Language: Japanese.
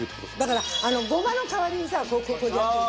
だからゴマの代わりにさこれでやってるのよ。